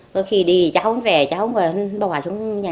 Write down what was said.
có khi đi cháu không về cháu bò xuống nhà